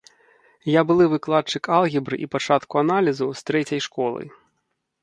Я былы выкладчык алгебры і пачатку аналізу з трэцяй школы.